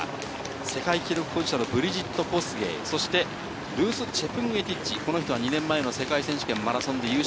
世界記録保持者のブリジット・コスゲイ、そして、ルース・チェプンゲティッチ、この人は２年前の世界選手権マラソンで優勝。